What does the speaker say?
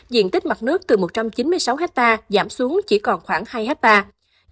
diện tích mặt nước từ một trăm chín mươi sáu hectare giảm xuống chỉ còn khoảng hai hectare